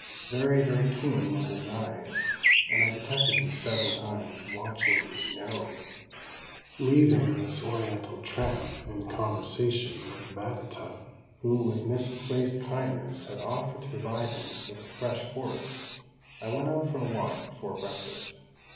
Very, very keen were his eyes, and I detected him several times watching me narrowly. Leaving this Oriental tramp in conversation with Batata, who with misplaced kindness had offered to provide him with a fresh horse, I went out for a walk before breakfast.